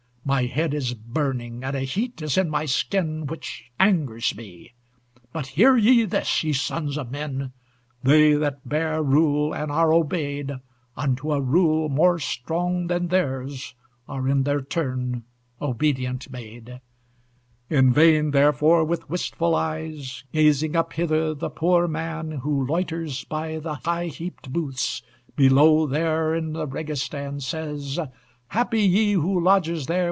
My head is burning, and a heat Is in my skin which angers me. But hear ye this, ye sons of men! They that bear rule, and are obeyed, Unto a rule more strong than theirs Are in their turn obedient made. In vain therefore, with wistful eyes Gazing up hither, the poor man Who loiters by the high heaped booths, Below there in the Registàn, Says: "Happy he, who lodges there!